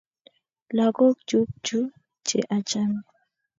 Lagok chuk chu che achame.